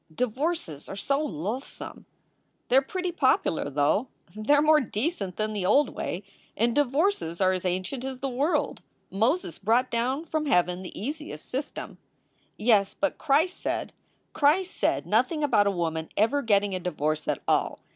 Divorces are so loath some." "They re pretty popular, though. They re more decent than the old way and divorces are as ancient as the world. Moses brought down from heaven the easiest system." "Yes, but Christ said" "Christ said nothing about a woman ever getting a divorce at all.